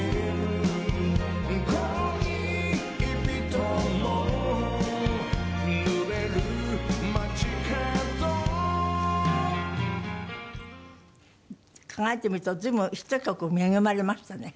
「恋人も濡れる街角」考えてみると随分ヒット曲恵まれましたね。